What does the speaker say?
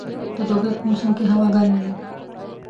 د دوبي په موسم کښي هوا ګرمه وي.